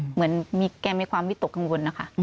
เหมือนแกไม่ความวิตกข้างบนนะคะ